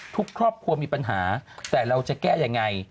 ทุกครอบครัวมีปัญหาแต่เราจะแก้ยังไง